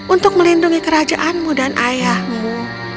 untuk melindungi kerajaanmu dan ayahmu